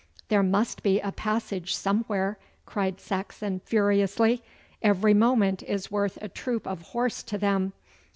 'There must be a passage somewhere,' cried Saxon furiously. 'Every moment is worth a troop of horse to them.